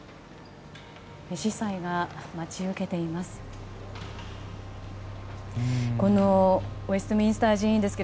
司祭が待ち受けています。